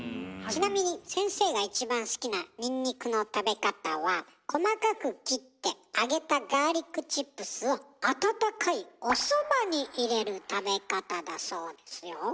ちなみに先生が一番好きなニンニクの食べ方は細かく切って揚げたガーリックチップスを温かいおそばに入れる食べ方だそうですよ。